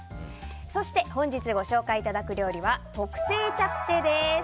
そして本日ご紹介いただく料理は特製チャプチェです。